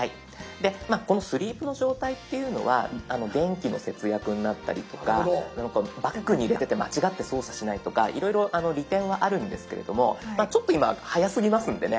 このスリープの状態っていうのは電気の節約になったりとかバッグに入れてて間違って操作しないとかいろいろ利点はあるんですけれどもちょっと今早すぎますんでね